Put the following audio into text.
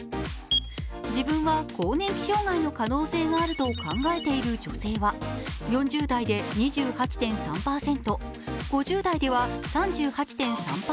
自分は更年期障害の可能性があると考えている女性は４０代で２８．３％５０代では３８．３％。